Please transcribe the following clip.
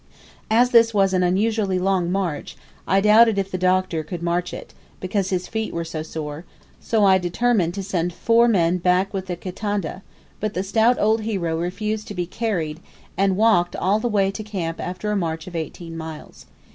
As this was an unusually long march, I doubted if the Doctor could march it, because his feet were so sore, so I determined to send four men back with the kitanda; but the stout old hero refused to be carried, and walked all the way to camp after a march of eighteen miles.